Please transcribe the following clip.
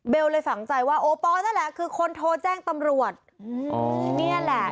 เลยฝังใจว่าโอปอลนั่นแหละคือคนโทรแจ้งตำรวจนี่แหละ